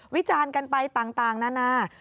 วิจารณ์กันไปต่างนานา